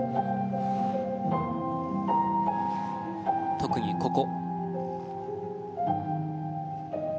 特にここ。